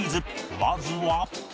まずは